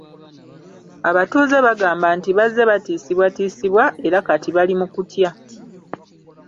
Abatuuze bagamba nti bazze batiisibwatiisibwa era kati bali mu kutya.